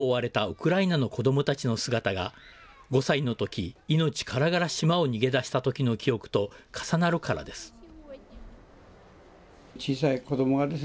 そして家を追われたウクライナの子どもたちの姿が５歳のとき、命からがら島を逃げ出したときの記憶と重なるからです。